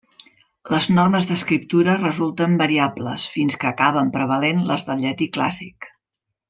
Les normes d'escriptura resulten variables fins que acaben prevalent les del llatí clàssic.